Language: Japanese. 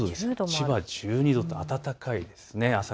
千葉は１２度と暖かいです。